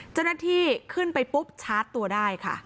เจ้าหน้าที่ขึ้นไปปุ๊บชาร์จตัวได้ค่ะ